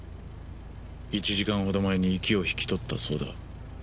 １時間ほど前に息を引き取ったそうだ。